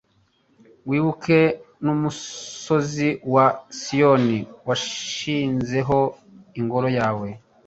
wibuke n’umusozi wa Siyoni washinzeho Ingoro yawe